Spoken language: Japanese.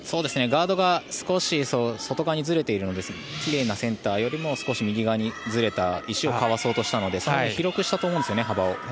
ガードが少し外側にずれているのできれいなセンターよりも少し右側にずれてる石を離そうとしたので幅を広くしようとしたと思うんですよね。